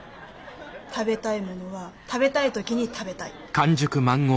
食べたいものは食べたい時に食べたい。